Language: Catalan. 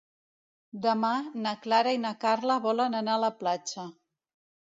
Demà na Clara i na Carla volen anar a la platja.